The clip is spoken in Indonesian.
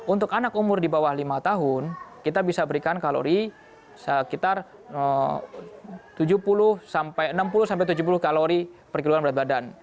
untuk anak umur di bawah lima tahun kita bisa berikan kalori sekitar enam puluh tujuh puluh kalori per kiloan berat badan